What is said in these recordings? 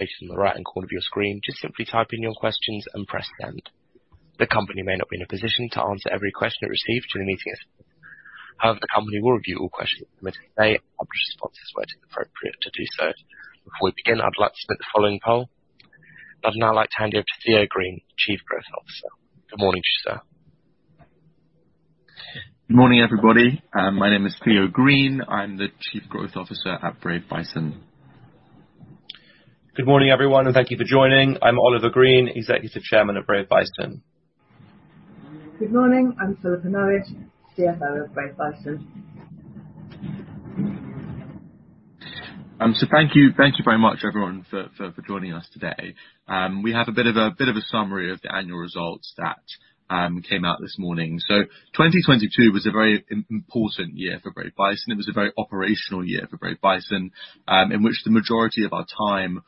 In the right-hand corner of your screen. Just simply type in your questions and press send. The company may not be in a position to answer every question it receives during the meeting. However, the company will review all questions submitted today and publish responses where it is appropriate to do so. Before we begin, I'd like to submit the following poll. I'd now like to hand you over to Theo Green, Chief Growth Officer. Good morning to you, sir. Good morning, everybody. My name is Theo Green. I'm the Chief Growth Officer at Brave Bison. Good morning, everyone, and thank you for joining. I'm Oliver Green, Executive Chairman of Brave Bison. Good morning. I'm Philippa Norridge, CFO of Brave Bison. Thank you, thank you very much, everyone, for joining us today. We have a bit of a summary of the annual results that came out this morning. 2022 was a very important year for Brave Bison. It was a very operational year for Brave Bison, in which the majority of our time was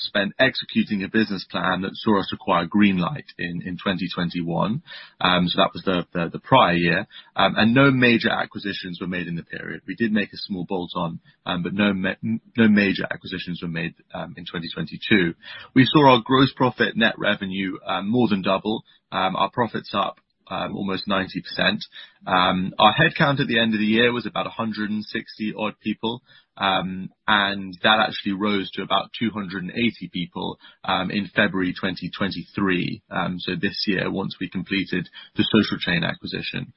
spent executing a business plan that saw us acquire Greenlight in 2021. That was the prior year. No major acquisitions were made in the period. We did make a small bolt-on, but no major acquisitions were made in 2022. We saw our gross profit net revenue, more than double. Our profits up, almost 90%. Our headcount at the end of the year was about 160 odd people, and that actually rose to about 280 people in February 2023 this year, once we completed the Social Chain acquisition.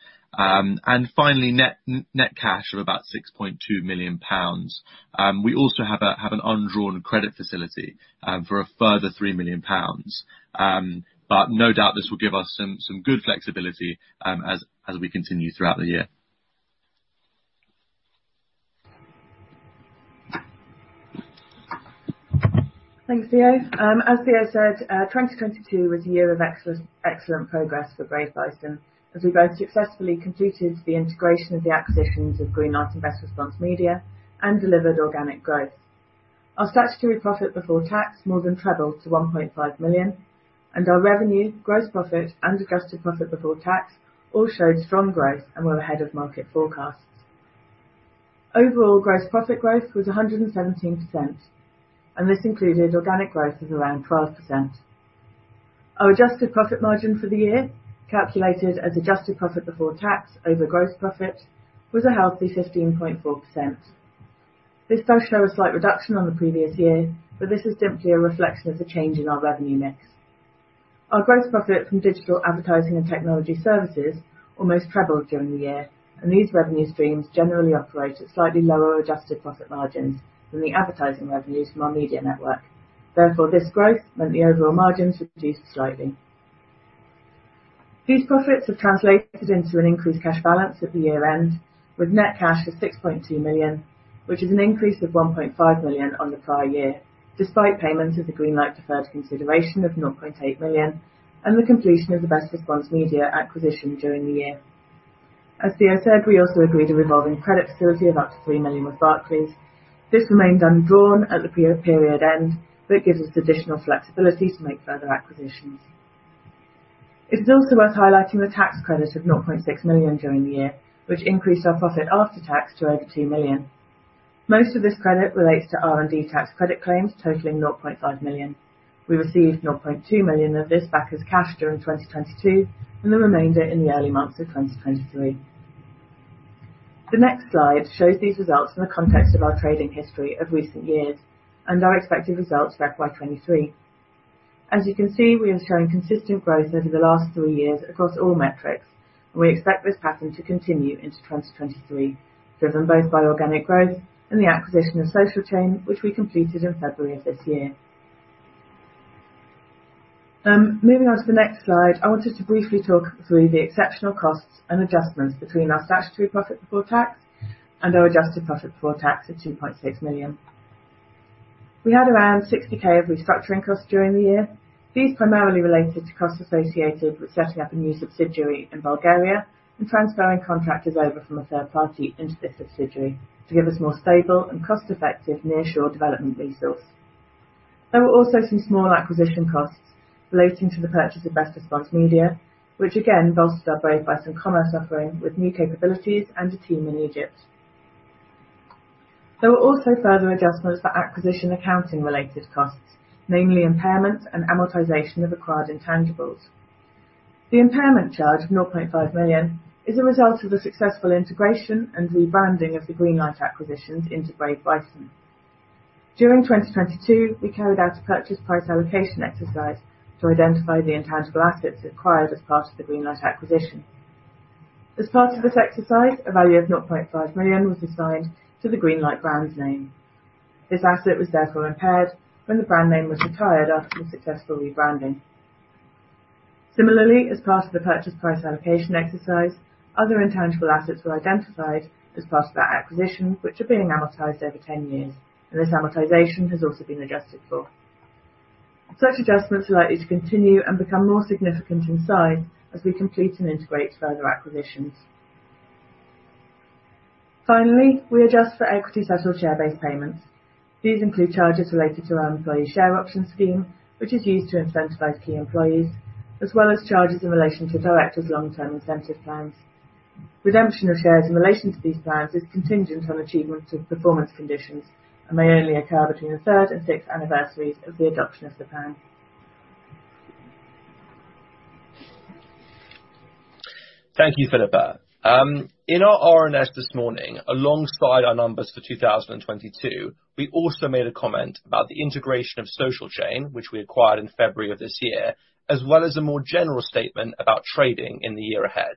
Finally, net cash of about 6.2 million pounds. We also have an undrawn credit facility for a further 3 million pounds. No doubt this will give us some good flexibility as we continue throughout the year. Thanks, Theo. As Theo said, 2022 was a year of excellent progress for Brave Bison, as we both successfully completed the integration of the acquisitions of Greenlight and Best Response Media and delivered organic growth. Our statutory profit before tax more than trebled to 1.5 million, and our revenue, gross profit and adjusted profit before tax all showed strong growth and were ahead of market forecasts. Overall gross profit growth was 117%, and this included organic growth of around 12%. Our adjusted profit margin for the year, calculated as adjusted profit before tax over gross profit, was a healthy 15.4%. This does show a slight reduction on the previous year, but this is simply a reflection of the change in our revenue mix. Our gross profit from Digital Advertising and Technology Services almost trebled during the year. These revenue streams generally operate at slightly lower adjusted profit margins than the advertising revenues from our media network. This growth meant the overall margins reduced slightly. These profits have translated into an increased cash balance at the year-end, with net cash of 6.2 million, which is an increase of 1.5 million on the prior year, despite payments of the Greenlight preferred consideration of 0.8 million and the completion of the Best Response Media acquisition during the year. Theo said, we also agreed a revolving credit facility of up to 3 million with Barclays. This remains undrawn at the per-period end, but it gives us additional flexibility to make further acquisitions. It's also worth highlighting the tax credit of 0.6 million during the year, which increased our profit after tax to over 2 million. Most of this credit relates to R&D tax credit claims totaling 0.5 million. We received 0.2 million of this back as cash during 2022 and the remainder in the early months of 2023. The next slide shows these results in the context of our trading history of recent years and our expected results for FY 2023. You can see, we are showing consistent growth over the last three years across all metrics, and we expect this pattern to continue into 2023, driven both by organic growth and the acquisition of Social Chain, which we completed in February of this year. Moving on to the next slide, I wanted to briefly talk through the exceptional costs and adjustments between our statutory profit before tax and our adjusted profit before tax of 2.6 million. We had around 60,000 of restructuring costs during the year. These primarily related to costs associated with setting up a new subsidiary in Bulgaria and transferring contractors over from a third party into this subsidiary to give us more stable and cost-effective nearshore development resource. There were also some small acquisition costs relating to the purchase of Best Response Media, which again bolsters our Brave Bison Commerce offering with new capabilities and a team in Egypt. There were also further adjustments for acquisition accounting-related costs, namely impairment and amortization of acquired intangibles. The impairment charge of 0.5 million is a result of the successful integration and rebranding of the Greenlight acquisitions into Brave Bison. During 2022, we carried out a purchase price allocation exercise to identify the intangible assets acquired as part of the Greenlight acquisition. As part of this exercise, a value of 0.5 million was assigned to the Greenlight brand name. This asset was therefore impaired when the brand name was retired after the successful rebranding. Similarly, as part of the purchase price allocation exercise, other intangible assets were identified as part of that acquisition, which are being amortized over 10 years, and this amortization has also been adjusted for. Such adjustments are likely to continue and become more significant in size as we complete and integrate further acquisitions. Finally, we adjust for equity-settled share-based payments. These include charges related to our employee share option scheme, which is used to incentivize key employees, as well as charges in relation to directors' long-term incentive plans. Redemption of shares in relation to these plans is contingent on achievement of performance conditions and may only occur between the third and sixth anniversaries of the adoption of the plan. Thank you, Philippa. In our RNS this morning, alongside our numbers for 2022, we also made a comment about the integration of Social Chain, which we acquired in February of this year, as well as a more general statement about trading in the year ahead.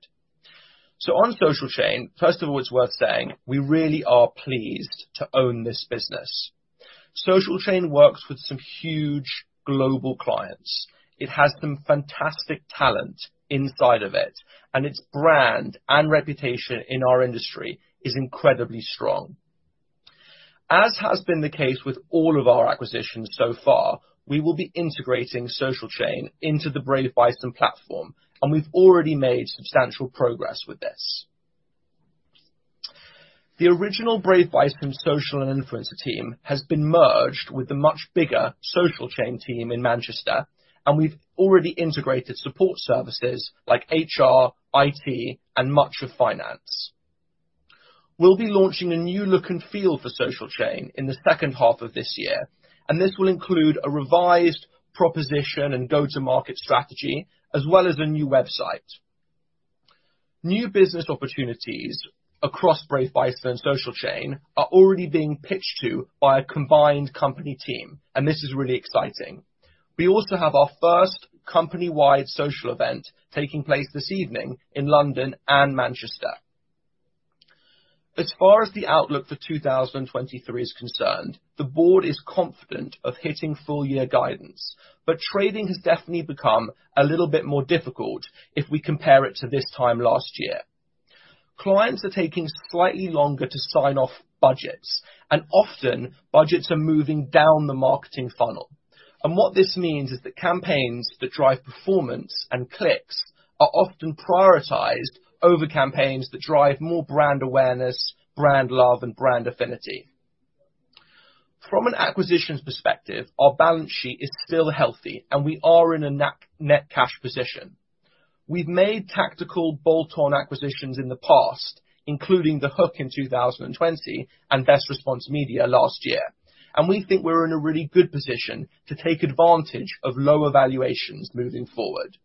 On Social Chain, first of all, it's worth saying we really are pleased to own this business. Social Chain works with some huge global clients. It has some fantastic talent inside of it, and its brand and reputation in our industry is incredibly strong. As has been the case with all of our acquisitions so far, we will be integrating Social Chain into the Brave Bison platform, and we've already made substantial progress with this. The original Brave Bison social and influencer team has been merged with the much bigger Social Chain team in Manchester. We've already integrated support services like HR, IT, and much of finance. We'll be launching a new look and feel for Social Chain in the second half of this year. This will include a revised proposition and go-to-market strategy as well as a new website. New business opportunities across Brave Bison and Social Chain are already being pitched to by a combined company team. This is really exciting. We also have our first company-wide social event taking place this evening in London and Manchester. As far as the outlook for 2023 is concerned, the board is confident of hitting full year guidance. Trading has definitely become a little bit more difficult if we compare it to this time last year. Clients are taking slightly longer to sign off budgets, often budgets are moving down the marketing funnel. What this means is that campaigns that drive performance and clicks are often prioritized over campaigns that drive more brand awareness, brand love, and brand affinity. From an acquisitions perspective, our balance sheet is still healthy and we are in a net cash position. We've made tactical bolt-on acquisitions in the past, including The Hook in 2020 and Best Response Media last year. We think we're in a really good position to take advantage of lower valuations moving forward.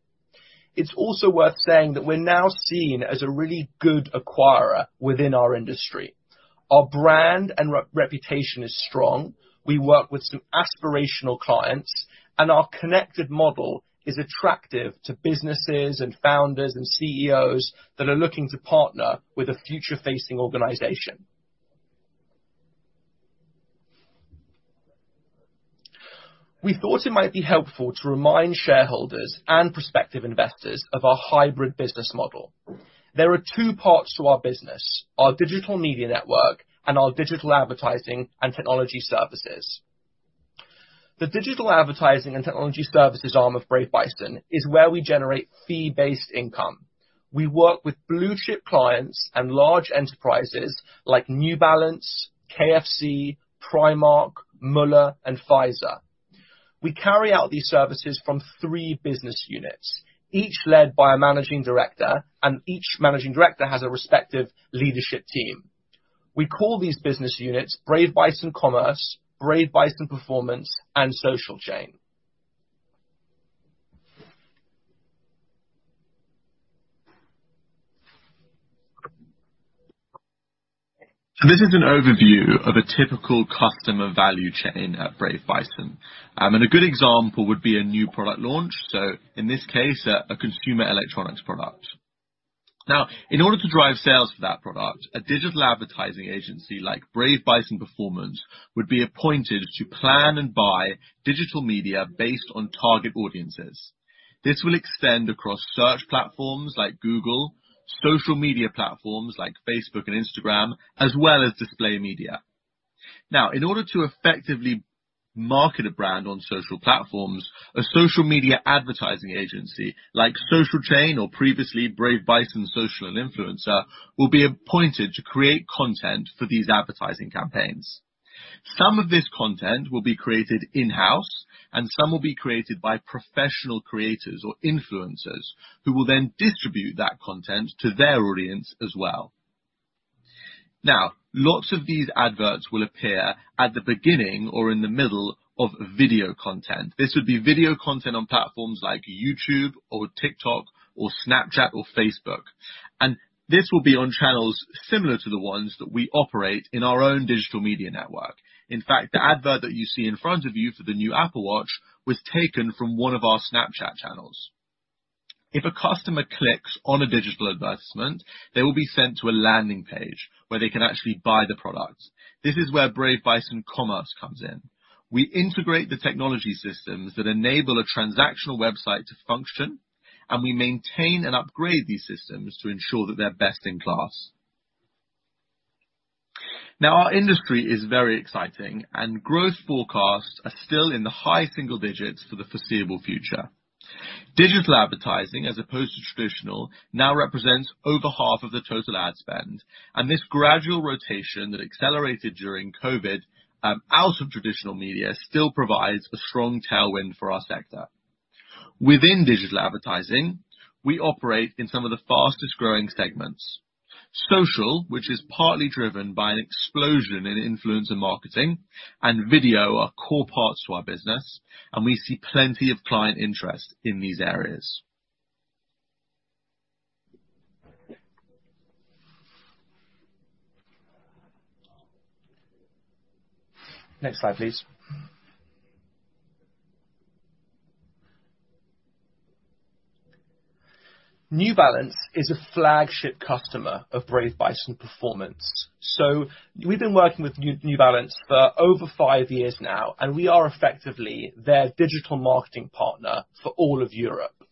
It's also worth saying that we're now seen as a really good acquirer within our industry. Our brand and reputation is strong. We work with some aspirational clients. Our connected model is attractive to businesses and founders and CEOs that are looking to partner with a future-facing organization. We thought it might be helpful to remind shareholders and prospective investors of our hybrid business model. There are two parts to our business, our Digital Media Network and our Digital Advertising and Technology Services. The Digital Advertising and Technology Services arm of Brave Bison is where we generate fee-based income. We work with blue-chip clients and large enterprises like New Balance, KFC, Primark, Müller, and Pfizer. We carry out these services from three business units, each led by a managing director, and each managing director has a respective leadership team. We call these business units Brave Bison Commerce, Brave Bison Performance, and Social Chain. This is an overview of a typical customer value chain at Brave Bison. A good example would be a new product launch. In this case, a consumer electronics product. In order to drive sales for that product, a digital advertising agency like Brave Bison Performance would be appointed to plan and buy digital media based on target audiences. This will extend across search platforms like Google, social media platforms like Facebook and Instagram, as well as display media. In order to effectively market a brand on social platforms, a social media advertising agency like Social Chain or previously Brave Bison Social & Influencer will be appointed to create content for these advertising campaigns. Some of this content will be created in-house, and some will be created by professional creators or influencers who will then distribute that content to their audience as well. Lots of these adverts will appear at the beginning or in the middle of video content. This would be video content on platforms like YouTube or TikTok or Snapchat or Facebook. This will be on channels similar to the ones that we operate in our own Digital Media Network. In fact, the advert that you see in front of you for the new Apple Watch was taken from one of our Snapchat channels. If a customer clicks on a digital advertisement, they will be sent to a landing page where they can actually buy the product. This is where Brave Bison Commerce comes in. We integrate the technology systems that enable a transactional website to function, and we maintain and upgrade these systems to ensure that they're best in class. Our industry is very exciting and growth forecasts are still in the high single digits for the foreseeable future. Digital advertising, as opposed to traditional, now represents over 1/2 of the total ad spend. This gradual rotation that accelerated during COVID out of traditional media still provides a strong tailwind for our sector. Within digital advertising, we operate in some of the fastest-growing segments. Social, which is partly driven by an explosion in influencer marketing and video are core parts to our business, and we see plenty of client interest in these areas. Next slide, please. New Balance is a flagship customer of Brave Bison Performance. We've been working with New Balance for over 5 years now, and we are effectively their digital marketing partner for all of Europe.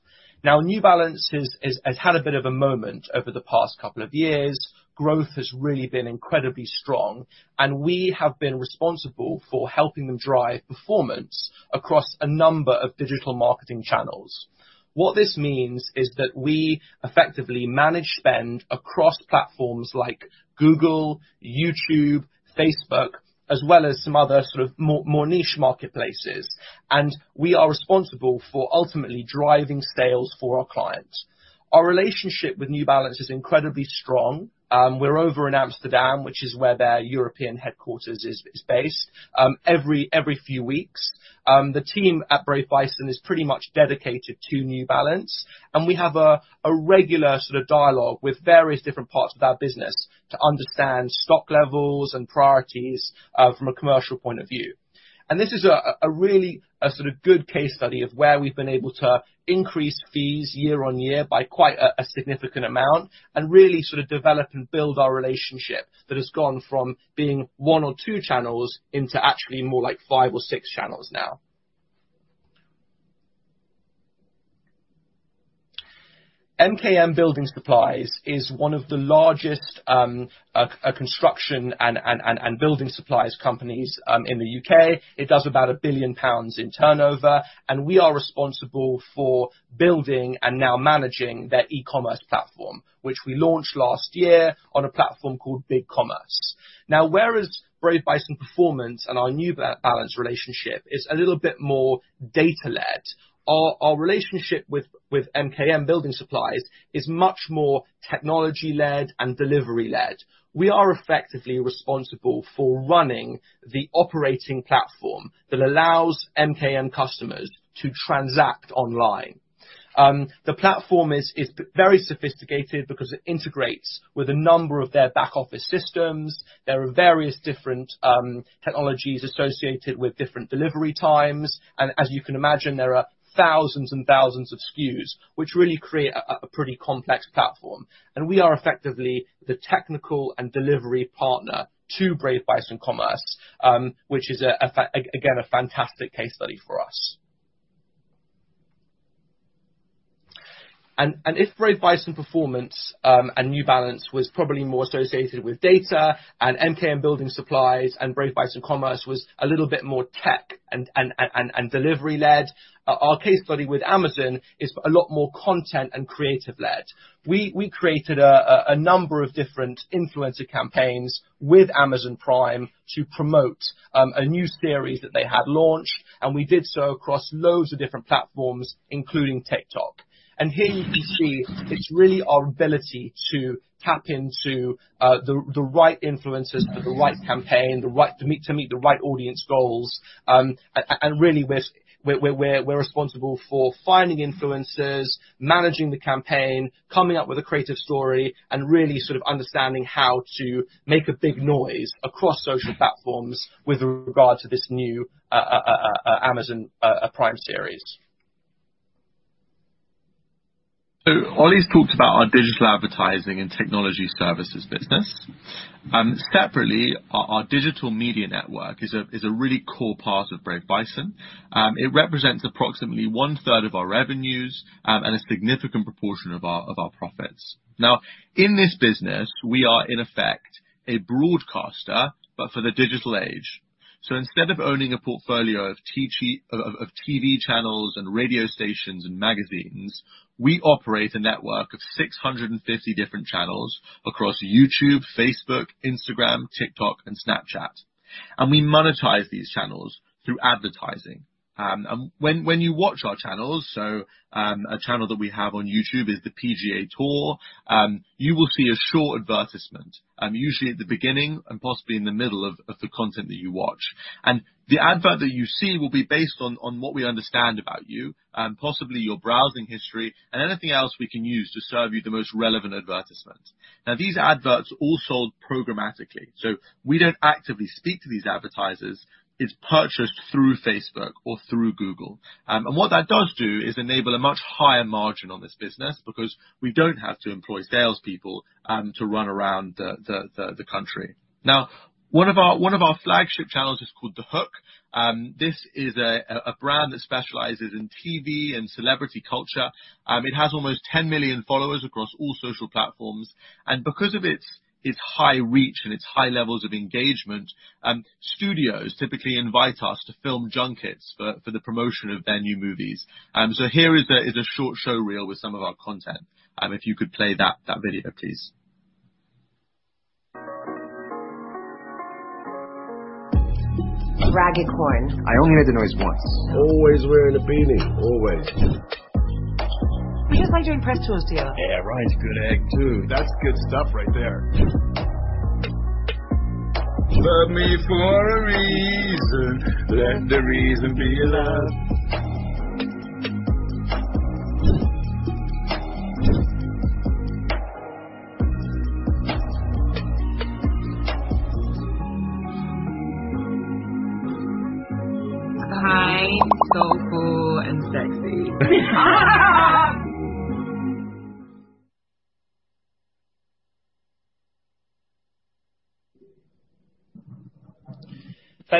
New Balance has had a bit of a moment over the past couple of years. Growth has really been incredibly strong, we have been responsible for helping them drive performance across a number of digital marketing channels. What this means is that we effectively manage spend across platforms like Google, YouTube, Facebook, as well as some other sort of more niche marketplaces. We are responsible for ultimately driving sales for our clients. Our relationship with New Balance is incredibly strong. We're over in Amsterdam, which is where their European headquarters is based every few weeks. The team at Brave Bison is pretty much dedicated to New Balance, we have a regular sort of dialogue with various different parts of their business to understand stock levels and priorities from a commercial point of view. This is a really sort of good case study of where we've been able to increase fees year on year by quite a significant amount and really sort of develop and build our relationship that has gone from being one or two channels into actually more like five or six channels now. MKM Building Supplies is one of the largest construction and building supplies companies in the U.K. It does about 1 billion pounds in turnover, we are responsible for building and now managing their e-commerce platform, which we launched last year on a platform called BigCommerce. Whereas Brave Bison Performance and our New Balance relationship is a little bit more data-led, our relationship with MKM Building Supplies is much more technology-led and delivery-led. We are effectively responsible for running the operating platform that allows MKM customers to transact online. The platform is very sophisticated because it integrates with a number of their back office systems. There are various different technologies associated with different delivery times. As you can imagine, there are thousands and thousands of SKUs which really create a pretty complex platform. We are effectively the technical and delivery partner to Brave Bison Commerce, which is a fantastic case study for us. If Brave Bison Performance and New Balance was probably more associated with data and MKM Building Supplies and Brave Bison Commerce was a little bit more tech and delivery-led, our case study with Amazon is a lot more content and creative-led. We created a number of different influencer campaigns with Amazon Prime to promote a new series that they had launched, and we did so across loads of different platforms, including TikTok. Here you can see it's really our ability to tap into the right influencers for the right campaign, to meet the right audience goals. Really we're responsible for finding influencers, managing the campaign, coming up with a creative story, and really sort of understanding how to make a big noise across social platforms with regard to this new Amazon Prime series. Ollie's talked about our Digital Advertising and Technology Services business. Separately our Digital Media Network is a really core part of Brave Bison. It represents approximately 1/3 of our revenues and a significant proportion of our profits. In this business, we are in effect a broadcaster, but for the digital age. Instead of owning a portfolio of TV channels and radio stations and magazines, we operate a network of 650 different channels across YouTube, Facebook, Instagram, TikTok, and Snapchat. We monetize these channels through advertising. When you watch our channels, a channel that we have on YouTube is the PGA TOUR, you will see a short advertisement, usually at the beginning and possibly in the middle of the content that you watch. The advert that you see will be based on what we understand about you, possibly your browsing history and anything else we can use to serve you the most relevant advertisements. These adverts are all sold programmatically, so we don't actively speak to these advertisers. It's purchased through Facebook or through Google. What that does do is enable a much higher margin on this business because we don't have to employ salespeople to run around the country. One of our flagship channels is called The Hook. This is a brand that specializes in TV and celebrity culture. It has almost 10 million followers across all social platforms. Because of its high reach and its high levels of engagement, studios typically invite us to film junkets for the promotion of their new movies. Here is a short show reel with some of our content, if you could play that video, please. Ragged horn. I only heard the noise once. Always wearing a beanie. Always. We just like doing press tours together. Yeah, right. Good egg too. That's good stuff right there. Love me for a reason, let the reason be love.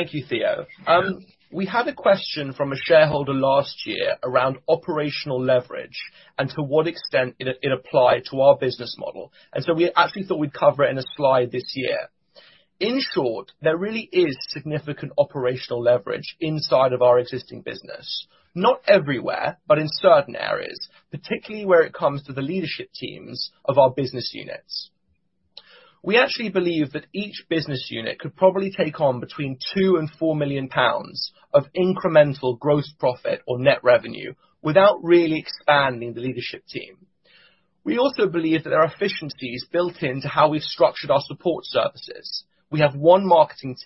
Kind, soulful, and sexy. Thank you, Theo. We had a question from a shareholder last year around operational leverage and to what extent it applied to our business model. We actually thought we'd cover it in a slide this year. In short, there really is significant operational leverage inside of our existing business. Not everywhere, but in certain areas, particularly where it comes to the leadership teams of our business units. We actually believe that each business unit could probably take on between 2 and 4 million pounds of incremental gross profit or net revenue without really expanding the leadership team. We also believe that there are efficiencies built into how we've structured our support services. We have 1 marketing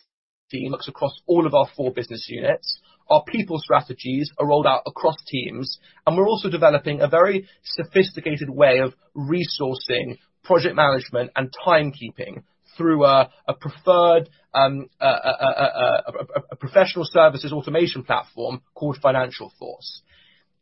team that looks across all of our four business units. Our people strategies are rolled out across teams, and we're also developing a very sophisticated way of resourcing project management and timekeeping through a preferred professional services automation platform called FinancialForce.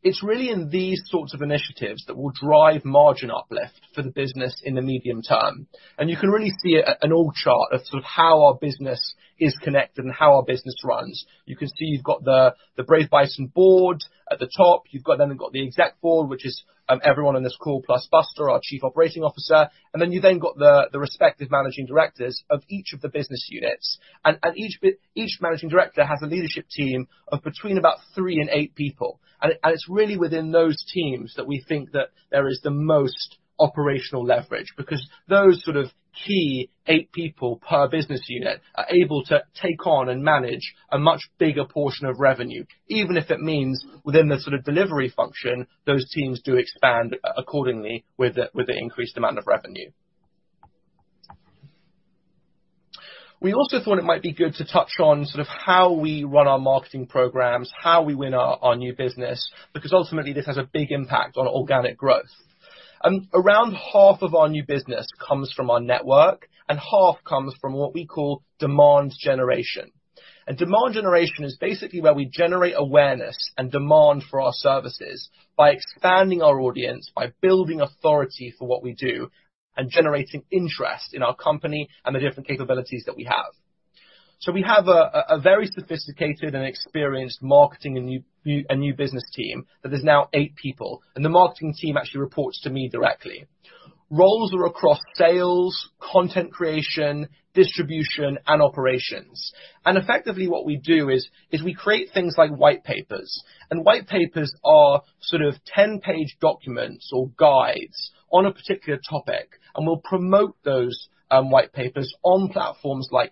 It's really in these sorts of initiatives that will drive margin uplift for the business in the medium term, and you can really see it at an org chart of sort of how our business is connected and how our business runs. You can see you've got the Brave Bison board at the top. Then you've got the exec board, which is everyone on this call, plus Buster, our Chief Operating Officer, and then you've then got the respective managing directors of each of the business units. Each managing director has a leadership team of between about three and eight people. It's really within those teams that we think that there is the most operational leverage because those sort of key eight people per business unit are able to take on and manage a much bigger portion of revenue, even if it means within the sort of delivery function, those teams do expand accordingly with the increased amount of revenue. We also thought it might be good to touch on sort of how we run our marketing programs, how we win our new business, because ultimately this has a big impact on organic growth. Around half of our new business comes from our network, and half comes from what we call demand generation. Demand generation is basically where we generate awareness and demand for our services by expanding our audience, by building authority for what we do, and generating interest in our company and the different capabilities that we have. We have a very sophisticated and experienced marketing and a new business team that is now eight people, and the marketing team actually reports to me directly. Roles are across sales, content creation, distribution, and operations. Effectively what we do is we create things like white papers, and white papers are sort of 10-page documents or guides on a particular topic, and we'll promote those white papers on platforms like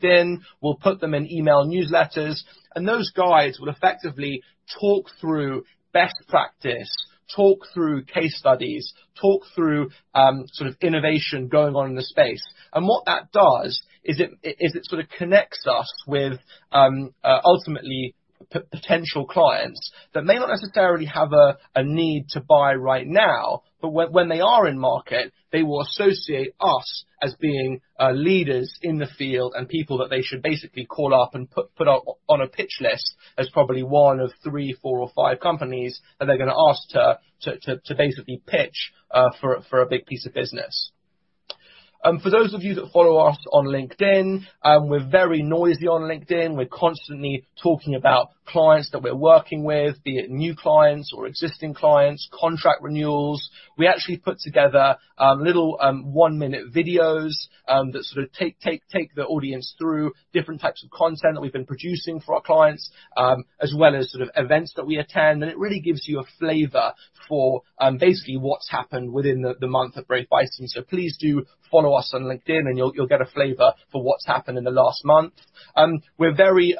DINN. We'll put them in email newsletters, and those guides will effectively talk through best practice, talk through case studies, talk through sort of innovation going on in the space. What that does is it sort of connects us with ultimately potential clients that may not necessarily have a need to buy right now, but when they are in market, they will associate us as being leaders in the field and people that they should basically call up and put on a pitch list as probably one of three, four, or five companies that they're gonna ask to basically pitch for a big piece of business. For those of you that follow us on LinkedIn, we're very noisy on LinkedIn. We're constantly talking about clients that we're working with, be it new clients or existing clients, contract renewals. We actually put together little 1-minute videos that sort of take the audience through different types of content that we've been producing for our clients, as well as sort of events that we attend. It really gives you a flavor for basically what's happened within the month at Brave Bison. Please do follow us on LinkedIn, and you'll get a flavor for what's happened in the last month. We're very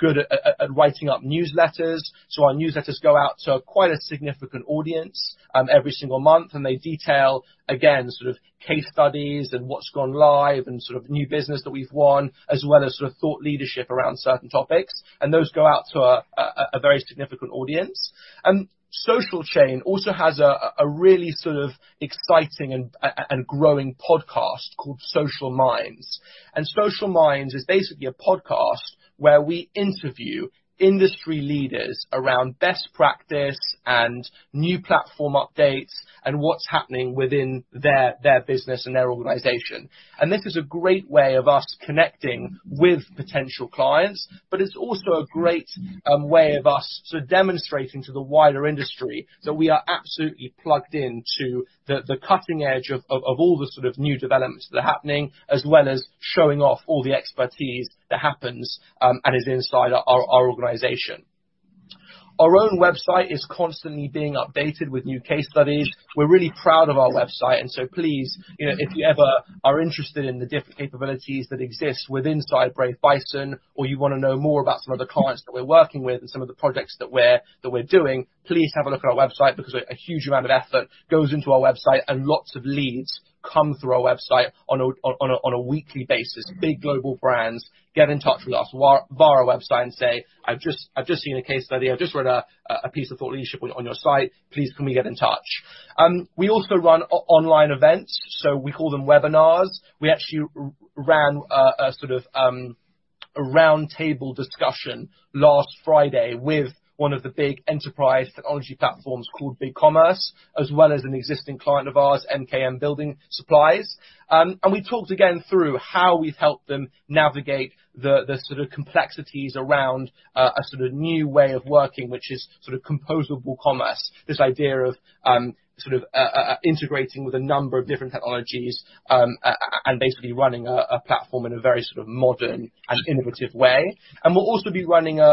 good at writing up newsletters. Our newsletters go out to quite a significant audience every single month, and they detail, again, sort of case studies and what's gone live and sort of new business that we've won, as well as sort of thought leadership around certain topics. Those go out to a very significant audience. Social Chain also has a really sort of exciting and growing podcast called Social Minds. Social Minds is basically a podcast where we interview industry leaders around best practice and new platform updates and what's happening within their business and their organization. This is a great way of us connecting with potential clients, but it's also a great way of us sort of demonstrating to the wider industry that we are absolutely plugged in to the cutting edge of all the sort of new developments that are happening, as well as showing off all the expertise that happens and is inside our organization. Our own website is constantly being updated with new case studies. We're really proud of our website. Please, you know, if you ever are interested in the different capabilities that exist within Side Brave Bison, or you wanna know more about some of the clients that we're working with and some of the projects that we're doing, please have a look at our website because a huge amount of effort goes into our website and lots of leads come through our website on a weekly basis. Big global brands get in touch with us via our website and say, "I've just seen a case study. I've just read a piece of thought leadership on your site. Please can we get in touch?" We also run online events, so we call them webinars. We actually ran a sort of a roundtable discussion last Friday with one of the big enterprise technology platforms called BigCommerce, as well as an existing client of ours, MKM Building Supplies. We talked again through how we've helped them navigate the sort of complexities around a sort of new way of working, which is sort of composable commerce. This idea of sort of integrating with a number of different technologies and basically running a platform in a very sort of modern and innovative way. We'll also be running a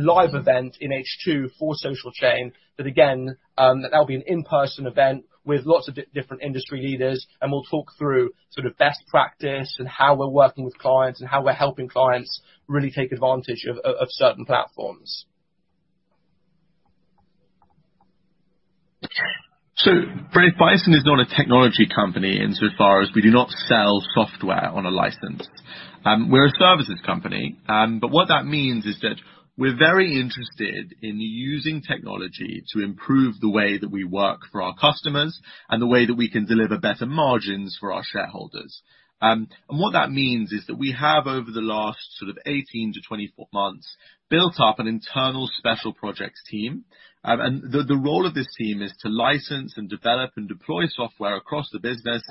live event in H2 for Social Chain that again, that'll be an in-person event with lots of different industry leaders and we'll talk through sort of best practice and how we're working with clients and how we're helping clients really take advantage of certain platforms. Brave Bison is not a technology company insofar as we do not sell software on a license. We're a services company. What that means is that we're very interested in using technology to improve the way that we work for our customers and the way that we can deliver better margins for our shareholders. What that means is that we have, over the last sort of 18-24 months, built up an internal special projects team. The role of this team is to license and develop and deploy software across the business.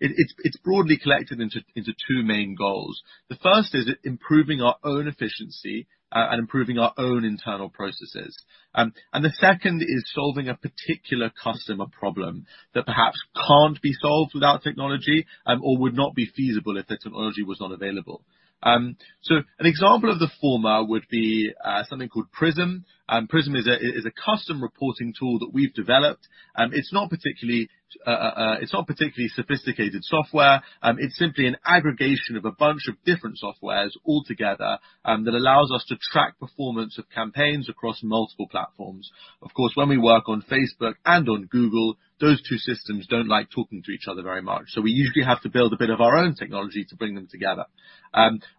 It's broadly collected into two main goals. The first is improving our own efficiency and improving our own internal processes. The second is solving a particular customer problem that perhaps can't be solved without technology or would not be feasible if the technology was not available. An example of the former would be something called Prism. Prism is a custom reporting tool that we've developed. It's not particularly sophisticated software. It's simply an aggregation of a bunch of different softwares all together that allows us to track performance of campaigns across multiple platforms. Of course, when we work on Facebook and on Google, those two systems don't like talking to each other very much. We usually have to build a bit of our own technology to bring them together.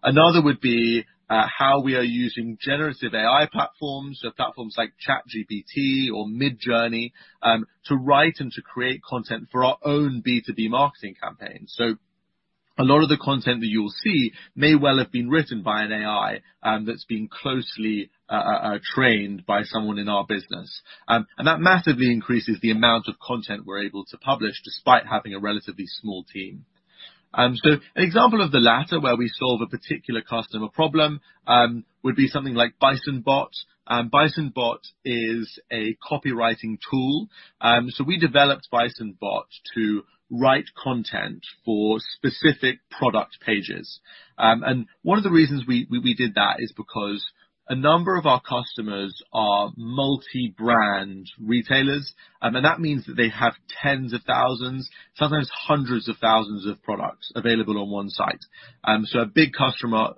Another would be how we are using generative AI platforms or platforms like ChatGPT or Midjourney to write and to create content for our own B2B marketing campaigns. A lot of the content that you'll see may well have been written by an AI that's been closely trained by someone in our business. That massively increases the amount of content we're able to publish despite having a relatively small team. An example of the latter, where we solve a particular customer problem, would be something like Bison Bot. Bison Bot is a copywriting tool. We developed Bison Bot to write content for specific product pages. One of the reasons we did that is because a number of our customers are multi-brand retailers, and that means that they have tens of thousands, sometimes hundreds of thousands of products available on one site. A big customer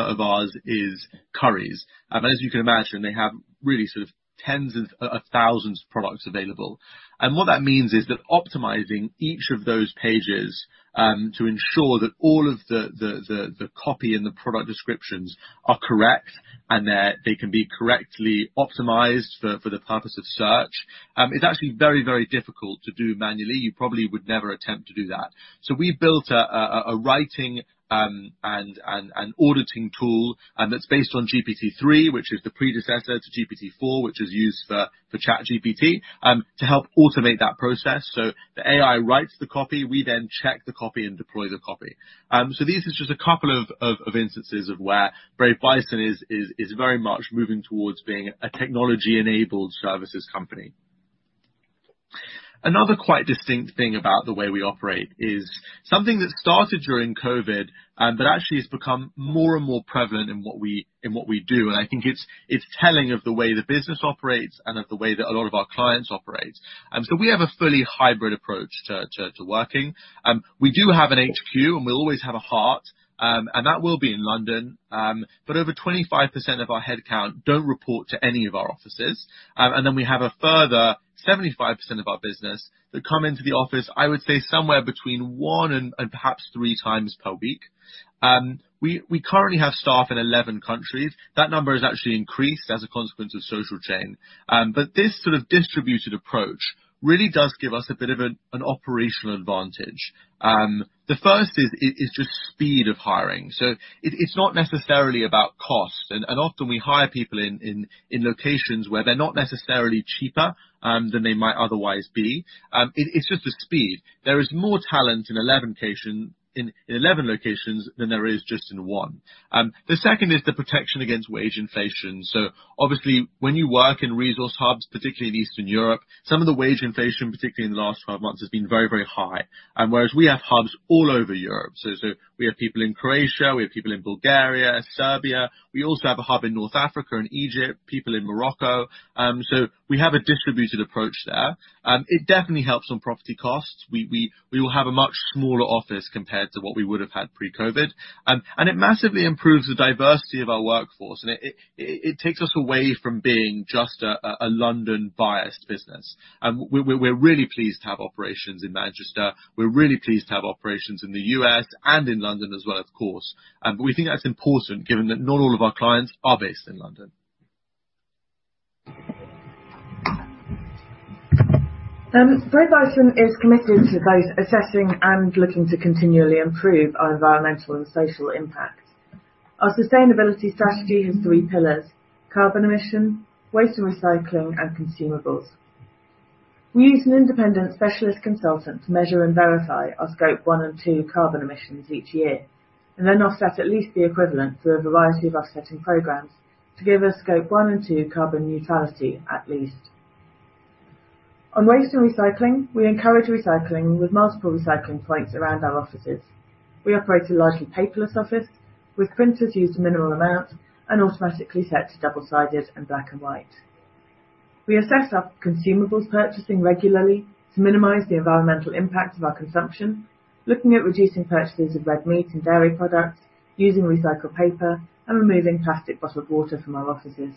of ours is Currys. As you can imagine, they have really sort of tens of thousands of products available. What that means is that optimizing each of those pages to ensure that all of the copy and the product descriptions are correct and that they can be correctly optimized for the purpose of search is actually very difficult to do manually. You probably would never attempt to do that. We built a writing and an auditing tool that's based on GPT-3, which is the predecessor to GPT-4, which is used for ChatGPT to help automate that process. The AI writes the copy, we then check the copy and deploy the copy. This is just a couple of instances of where Brave Bison is very much moving towards being a technology-enabled services company. Another quite distinct thing about the way we operate is something that started during COVID, but actually has become more and more prevalent in what we do, and I think it's telling of the way the business operates and of the way that a lot of our clients operate. We have a fully hybrid approach to working. We do have an HQ, and we'll always have a heart, and that will be in London. Over 25% of our head count don't report to any of our offices. We have a further 75% of our business that come into the office, I would say somewhere between one and perhaps three times per week. We currently have staff in 11 countries. That number has actually increased as a consequence of Social Chain. This sort of distributed approach really does give us a bit of an operational advantage. The first is just speed of hiring. It's not necessarily about cost. And often we hire people in locations where they're not necessarily cheaper than they might otherwise be. It's just the speed. There is more talent in 11 locations than there is just in one. The second is the protection against wage inflation. Obviously when you work in resource hubs, particularly in Eastern Europe, some of the wage inflation, particularly in the last 12 months, has been very, very high. Whereas we have hubs all over Europe. We have people in Croatia, we have people in Bulgaria, Serbia. We also have a hub in North Africa and Egypt, people in Morocco. We have a distributed approach there. It definitely helps on property costs. We will have a much smaller office compared to what we would have had pre-COVID. It massively improves the diversity of our workforce and it takes us away from being just a London-biased business. We're really pleased to have operations in Manchester. We're really pleased to have operations in the US and in London as well, of course. We think that's important given that not all of our clients are based in London. Brave Bison is committed to both assessing and looking to continually improve our environmental and social impact. Our sustainability strategy has three pillars: carbon emissions, waste and recycling, and consumables. We use an independent specialist consultant to measure and verify our Scope 1 and 2 carbon emissions each year, and then offset at least the equivalent through a variety of offsetting programs to give us Scope 1 and 2 carbon neutrality at least. On waste and recycling, we encourage recycling with multiple recycling points around our offices. We operate a largely paperless office with printers used a minimal amount and automatically set to double-sided and black and white. We assess our consumables purchasing regularly to minimize the environmental impact of our consumption, looking at reducing purchases of red meat and dairy products, using recycled paper, and removing plastic bottled water from our offices.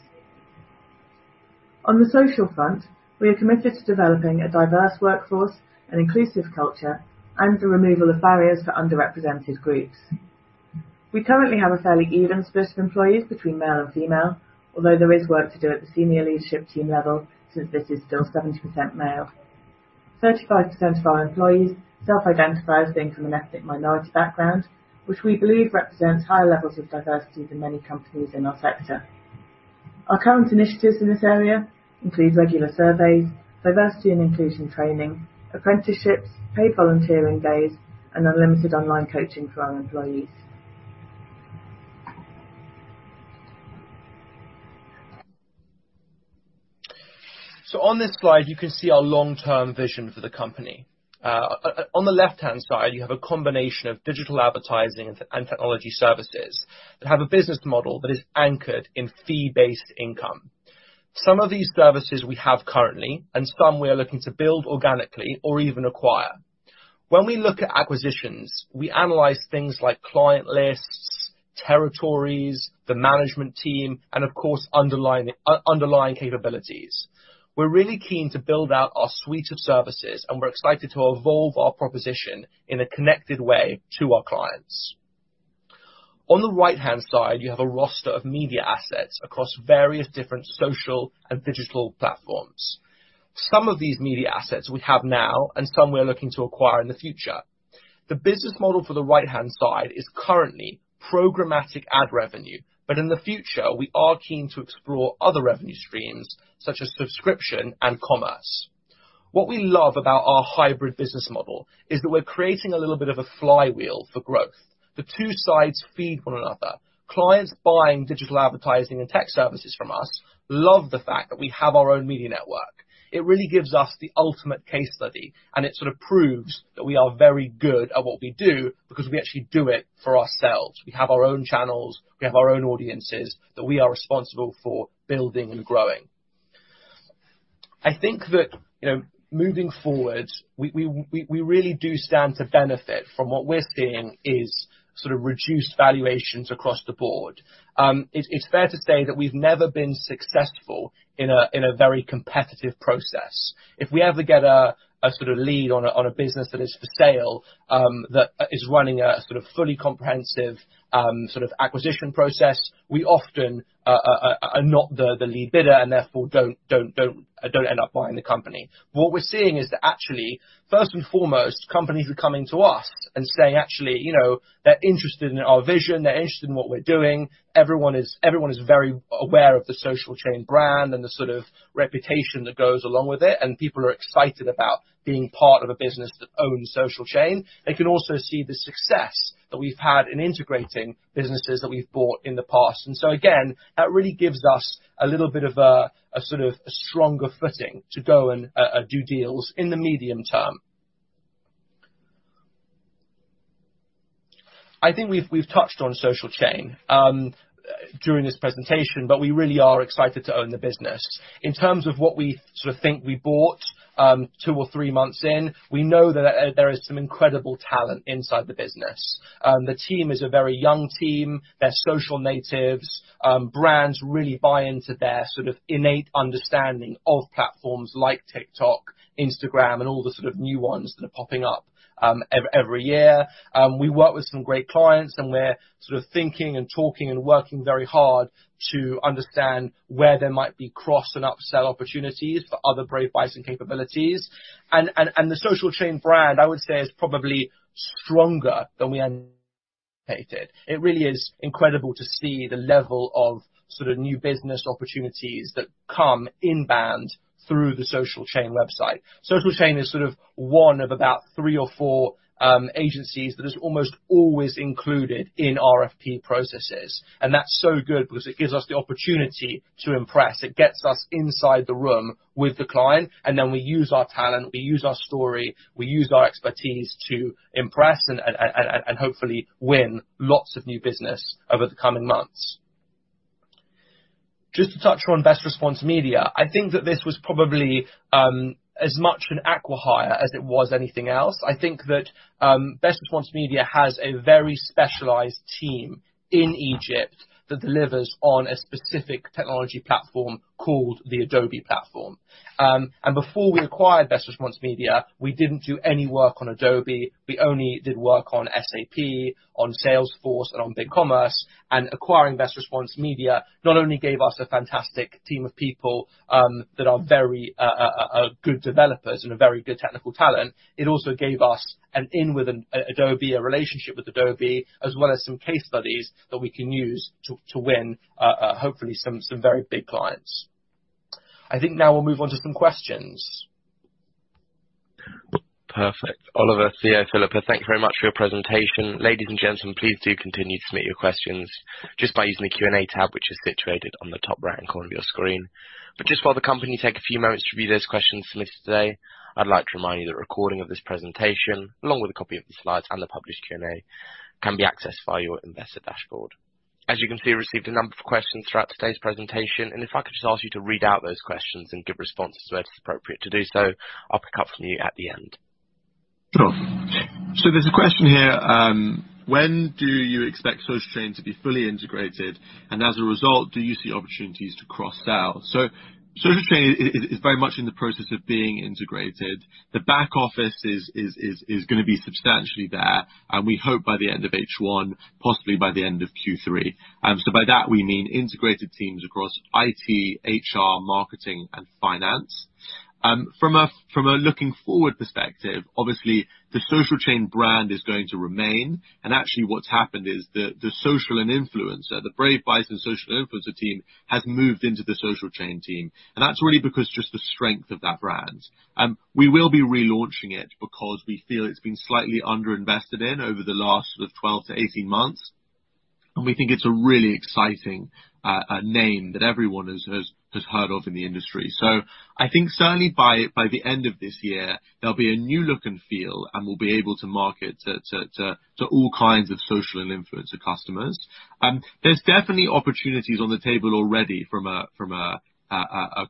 On the social front, we are committed to developing a diverse workforce, an inclusive culture, and the removal of barriers for underrepresented groups. We currently have a fairly even split of employees between male and female, although there is work to do at the senior leadership team level, since this is still 70% male. 35% of our employees self-identify as being from an ethnic minority background, which we believe represents higher levels of diversity than many companies in our sector. Our current initiatives in this area include regular surveys, diversity and inclusion training, apprenticeships, paid volunteering days, and unlimited online coaching for our employees. On this slide, you can see our long-term vision for the company. On the left-hand side, you have a combination of Digital Advertising and Technology Services that have a business model that is anchored in fee-based income. Some of these services we have currently, and some we are looking to build organically or even acquire. When we look at acquisitions, we analyze things like client lists, territories, the management team, and of course, underlying capabilities. We're really keen to build out our suite of services, and we're excited to evolve our proposition in a connected way to our clients. On the right-hand side, you have a roster of media assets across various different social and digital platforms. Some of these media assets we have now and some we are looking to acquire in the future. The business model for the right-hand side is currently programmatic ad revenue, but in the future, we are keen to explore other revenue streams such as subscription and commerce. What we love about our hybrid business model is that we're creating a little bit of a flywheel for growth. The two sides feed one another. Clients buying digital advertising and tech services from us love the fact that we have our own media network. It really gives us the ultimate case study, and it sort of proves that we are very good at what we do because we actually do it for ourselves. We have our own channels, we have our own audiences that we are responsible for building and growing. I think that, you know, moving forward, we really do stand to benefit from what we're seeing is sort of reduced valuations across the board. It's fair to say that we've never been successful in a very competitive process. If we ever get a sort of lead on a business that is for sale, that is running a sort of fully comprehensive acquisition process, we often are not the lead bidder and therefore don't end up buying the company. What we're seeing is that actually, first and foremost, companies are coming to us and saying, actually, you know, they're interested in our vision, they're interested in what we're doing. Everyone is very aware of the Social Chain brand and the sort of reputation that goes along with it, and people are excited about being part of a business that owns Social Chain. They can also see the success that we've had in integrating businesses that we've bought in the past. Again, that really gives us a sort of a stronger footing to go and do deals in the medium term. I think we've touched on Social Chain during this presentation, but we really are excited to own the business. In terms of what we sort of think we bought, two or three months in, we know that there is some incredible talent inside the business. The team is a very young team. They're social natives. Brands really buy into their sort of innate understanding of platforms like TikTok, Instagram, and all the sort of new ones that are popping up every year. We work with some great clients, and we're sort of thinking and talking and working very hard to understand where there might be cross and upsell opportunities for other Brave Bison capabilities. The Social Chain brand, I would say, is probably stronger than we anticipated. It really is incredible to see the level of sort of new business opportunities that come in band through the Social Chain website. Social Chain is sort of one of about three or four agencies that is almost always included in RFP processes, That's so good because it gives us the opportunity to impress. It gets us inside the room with the client, Then we use our talent, we use our story, we use our expertise to impress and hopefully win lots of new business over the coming months. Just to touch on Best Response Media, I think that this was probably as much an acquihire as it was anything else. I think that Best Response Media has a very specialized team in Egypt that delivers on a specific technology platform called the Adobe platform. Before we acquired Best Response Media, we didn't do any work on Adobe. We only did work on SAP, on Salesforce, and on BigCommerce. Acquiring Best Response Media not only gave us a fantastic team of people that are very good developers and a very good technical talent, it also gave us an in with Adobe, a relationship with Adobe, as well as some case studies that we can use to win hopefully some very big clients. I think now we'll move on to some questions. Perfect. Oliver, Theo, Philippa, thank you very much for your presentation. Ladies and gentlemen, please do continue to submit your questions just by using the Q&A tab, which is situated on the top right-hand corner of your screen. Just while the company take a few moments to view those questions submitted today, I'd like to remind you that a recording of this presentation, along with a copy of the slides and the published Q&A, can be accessed via your investor dashboard. As you can see, we received a number of questions throughout today's presentation, and if I could just ask you to read out those questions and give responses where it is appropriate to do so, I'll pick up from you at the end. Sure. There's a question here, when do you expect Social Chain to be fully integrated? As a result, do you see opportunities to cross-sell? Social Chain is very much in the process of being integrated. The back office is gonna be substantially there, and we hope by the end of H1, possibly by the end of Q3. By that we mean integrated teams across IT, HR, marketing, and finance. From a looking forward perspective, obviously the Social Chain brand is going to remain. Actually what's happened is the social and influencer, the Brave Bison social influencer team, has moved into the Social Chain team, and that's really because just the strength of that brand. We will be relaunching it because we feel it's been slightly under invested in over the last sort of 12-18 months, and we think it's a really exciting name that everyone has heard of in the industry. I think certainly by the end of this year, there'll be a new look and feel, and we'll be able to market to all kinds of social and influencer customers. There's definitely opportunities on the table already from a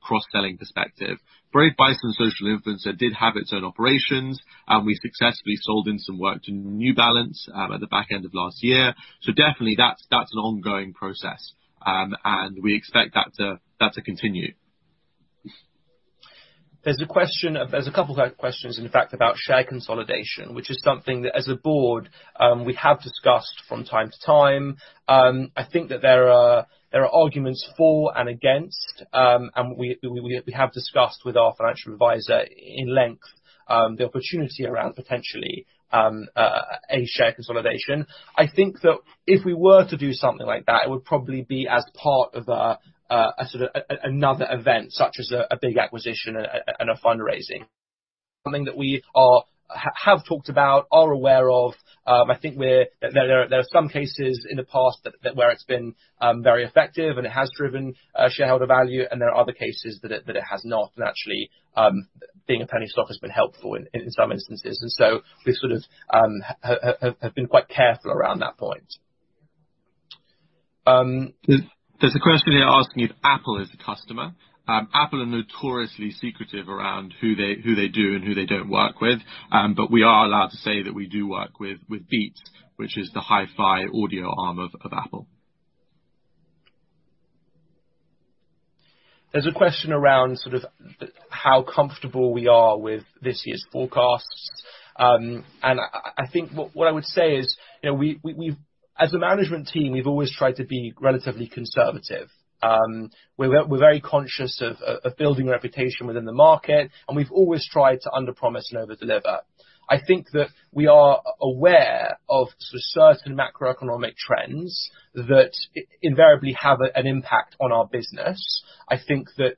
cross-selling perspective. Brave Bison Social Influencer did have its own operations, and we successfully sold in some work to New Balance at the back end of last year. Definitely that's an ongoing process. And we expect that to continue. There's a couple questions, in fact, about share consolidation, which is something that as a board, we have discussed from time to time. I think that there are arguments for and against, and we have discussed with our financial advisor in length, the opportunity around potentially a share consolidation. I think that if we were to do something like that, it would probably be as part of a sort of another event, such as a big acquisition and a fundraising. Something that we have talked about, are aware of, I think we're there are some cases in the past that where it's been very effective and it has driven shareholder value, and there are other cases that it, that it has not, and actually, being a penny stock has been helpful in some instances. We sort of, have been quite careful around that point. There's a question they're asking if Apple is a customer. Apple are notoriously secretive around who they do and who they don't work with. We are allowed to say that we do work with Beats, which is the hi-fi audio arm of Apple. There's a question around sort of how comfortable we are with this year's forecasts. I think what I would say is, you know, we've as a management team, we've always tried to be relatively conservative. We're very conscious of building a reputation within the market, and we've always tried to underpromise and overdeliver. I think that we are aware of sort of certain macroeconomic trends that invariably have an impact on our business. I think that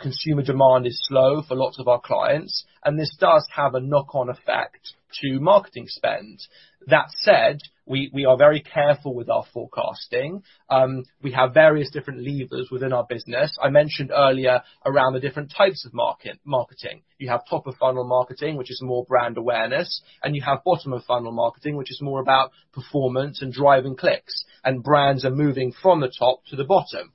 consumer demand is slow for lots of our clients, and this does have a knock on effect to marketing spend. That said, we are very careful with our forecasting. We have various different levers within our business. I mentioned earlier around the different types of marketing. You have top of funnel marketing, which is more brand awareness, and you have bottom of funnel marketing, which is more about performance and driving clicks. Brands are moving from the top to the bottom.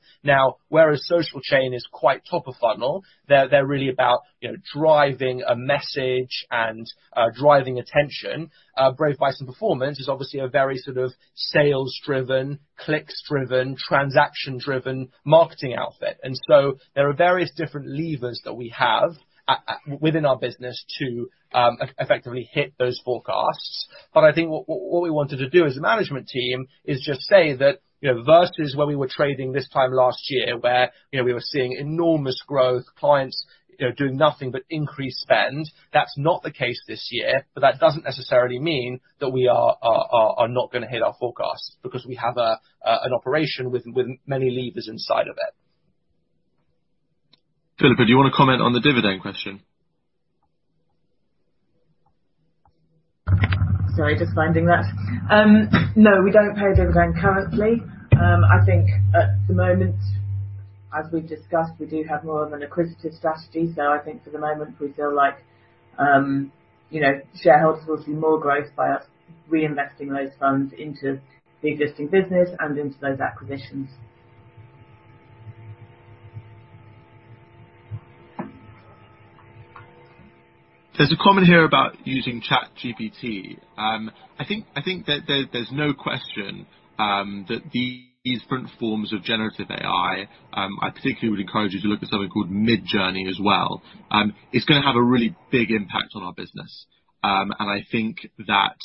Whereas Social Chain is quite top of funnel, they're really about, you know, driving a message and driving attention. Brave Bison Performance is obviously a very sort of sales driven, clicks driven, transaction driven marketing outfit. So there are various different levers that we have within our business to effectively hit those forecasts. I think what we wanted to do as a management team is just say that, you know, versus where we were trading this time last year where, you know, we were seeing enormous growth, clients, you know, doing nothing but increase spend, that's not the case this year. That doesn't necessarily mean that we are not gonna hit our forecasts because we have an operation with many levers inside of it. Philippa, do you wanna comment on the dividend question? Sorry, just finding that. No, we don't pay a dividend currently. I think at the moment, as we've discussed, we do have more of an acquisitive strategy. I think for the moment we feel like, you know, shareholders will see more growth by us reinvesting those funds into the existing business and into those acquisitions. There's a comment here about using ChatGPT. I think there's no question that these different forms of generative AI, I particularly would encourage you to look at something called Midjourney as well. It's gonna have a really big impact on our business. I think that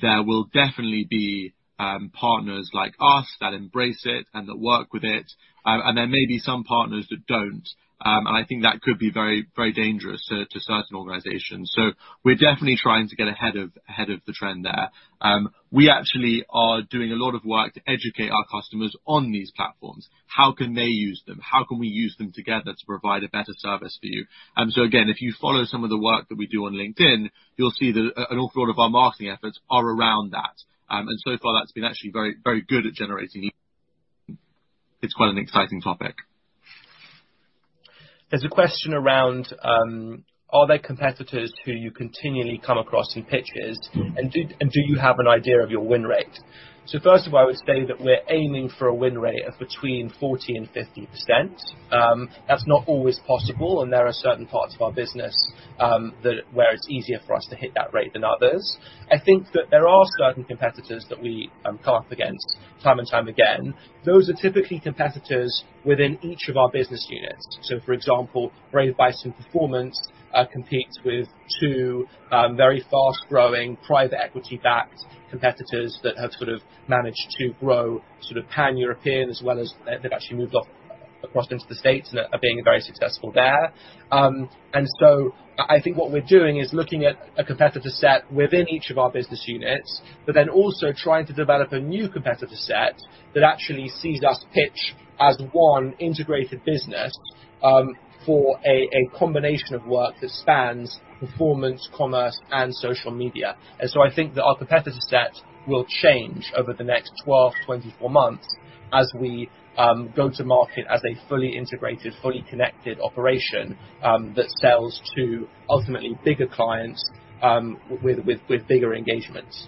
there will definitely be partners like us that embrace it and that work with it. There may be some partners that don't, and I think that could be very dangerous to certain organizations. We're definitely trying to get ahead of the trend there. We actually are doing a lot of work to educate our customers on these platforms. How can they use them? How can we use them together to provide a better service for you? Again, if you follow some of the work that we do on LinkedIn, you'll see that an awful lot of our marketing efforts are around that. So far that's been actually very good at generating. It's quite an exciting topic. There's a question around, are there competitors who you continually come across in pitches? Do you have an idea of your win rate? First of all, I would say that we're aiming for a win rate of between 40% and 50%. That's not always possible, and there are certain parts of our business where it's easier for us to hit that rate than others. I think that there are certain competitors that we come up against time and time again. Those are typically competitors within each of our business units. For example, Brave Bison Performance competes with 2 very fast-growing private equity-backed competitors that have managed to grow pan-European as well as they've actually moved off across into the States and are being very successful there. I think what we're doing is looking at a competitor set within each of our business units, also trying to develop a new competitor set that actually sees us pitch as one integrated business for a combination of work that spans performance, commerce, and social media. I think that our competitor set will change over the next 12, 24 months as we go to market as a fully integrated, fully connected operation that sells to ultimately bigger clients with bigger engagements.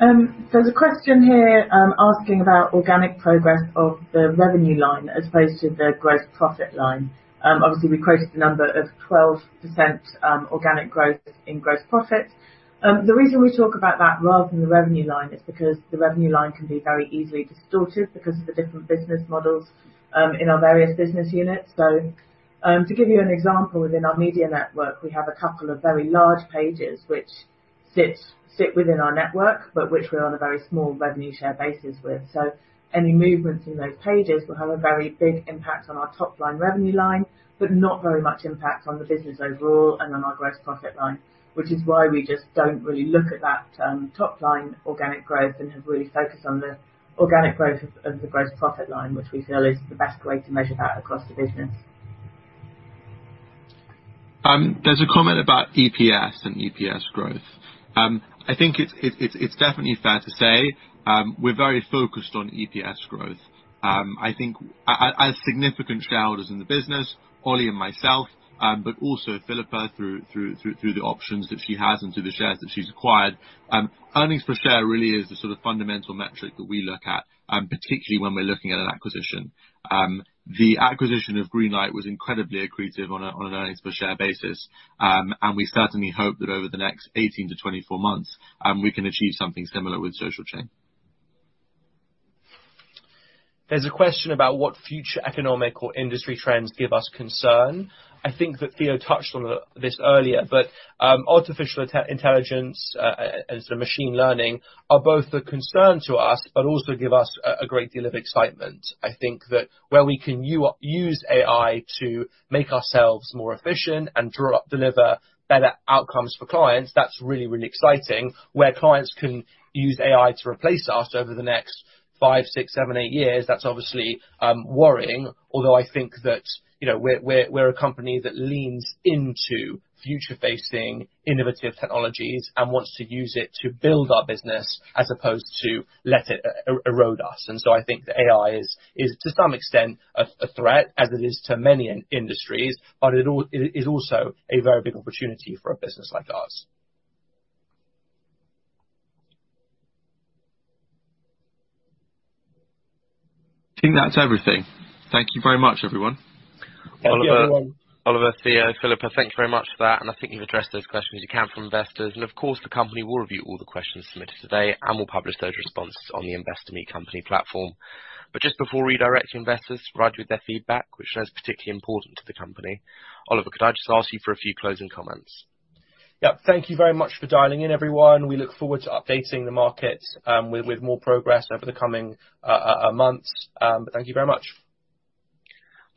There's a question here asking about organic progress of the revenue line as opposed to the gross profit line. Obviously, we quoted the number of 12% organic growth in gross profit. The reason we talk about that rather than the revenue line is because the revenue line can be very easily distorted because of the different business models in our various business units. To give you an example, within our Digital Media Network, we have a couple of very large pages which sit within our network, but which we're on a very small revenue share basis with. Any movements in those pages will have a very big impact on our top-line revenue line, but not very much impact on the business overall and on our gross profit line, which is why we just don't really look at that, top line organic growth and have really focused on the organic growth of the gross profit line, which we feel is the best way to measure that across the business. There's a comment about EPS and EPS growth. I think it's definitely fair to say, we're very focused on EPS growth. I think as significant shareholders in the business, Ollie and myself, but also Philippa through the options that she has and through the shares that she's acquired, earnings per share really is the sort of fundamental metric that we look at, particularly when we're looking at an acquisition. The acquisition of Greenlight was incredibly accretive on an earnings per share basis. We certainly hope that over the next 18-24 months, we can achieve something similar with Social Chain. There's a question about what future economic or industry trends give us concern. I think that Theo touched on this earlier, but artificial intelligence and sort of machine learning are both a concern to us, but also give us a great deal of excitement. I think that where we can use AI to make ourselves more efficient and deliver better outcomes for clients, that's really, really exciting. Where clients can use AI to replace us over the next five, six, seven, eight years, that's obviously worrying. Although I think that, you know, we're a company that leans into future-facing innovative technologies and wants to use it to build our business as opposed to let it erode us. I think that AI is to some extent a threat as it is to many industries, but it is also a very big opportunity for a business like ours. I think that's everything. Thank you very much, everyone. Oliver, Theo, Philippa, thank you very much for that, and I think you've addressed those questions you can from investors. Of course, the company will review all the questions submitted today and will publish those responses on the Investor Meet Company platform. Just before redirecting investors right with their feedback, which is particularly important to the company, Oliver, could I just ask you for a few closing comments? Yep. Thank you very much for dialing in, everyone. We look forward to updating the market, with more progress over the coming months. Thank you very much.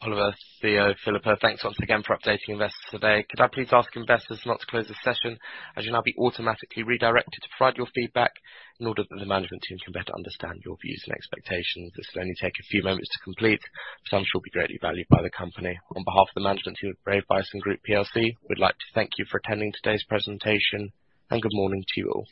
Oliver, Theo, Philippa, thanks once again for updating investors today. Could I please ask investors not to close this session, as you'll now be automatically redirected to provide your feedback in order that the management team can better understand your views and expectations. This will only take a few moments to complete, some shall be greatly valued by the company. On behalf of the management team at Brave Bison Group PLC, we'd like to thank you for attending today's presentation. Good morning to you all.